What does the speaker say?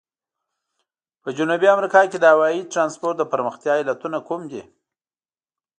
په جنوبي امریکا کې د هوایي ترانسپورت د پرمختیا علتونه کوم دي؟